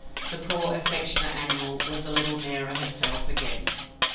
The poor, affectionate animal was a little nearer herself again.